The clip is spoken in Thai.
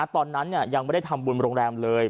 ตอนนั้นยังไม่ได้ทำบุญโรงแรมเลย